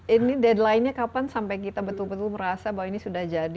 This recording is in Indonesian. ini deadline nya kapan sampai kita betul betul merasa bahwa ini sudah jadi